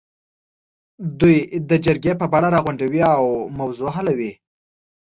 دوی د جرګې په بڼه راغونډوي او موضوع حلوي.